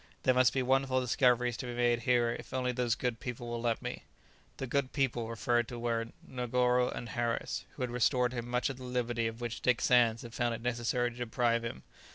There must be wonderful discoveries to be made here if only those good people will let me." The "good people" referred to were Negoro and Harris, who had restored him much of the liberty of which Dick Sands had found it necessary to deprive him.